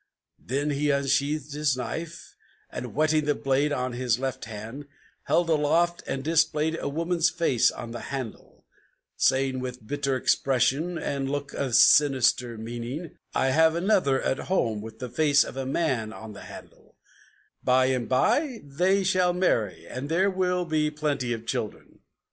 '" Then he unsheathed his knife, and, whetting the blade on his left hand, Held it aloft and displayed a woman's face on the handle; Saying, with bitter expression and look of sinister meaning: "I have another at home, with the face of a man on the handle; By and by they shall marry; and there will be plenty of children!"